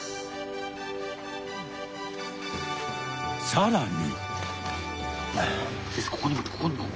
さらに！